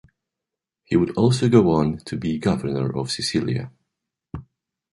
He would also go on to be governor of Sicilia.